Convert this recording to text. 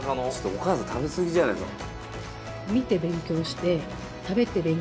お母さん食べ過ぎじゃないですか。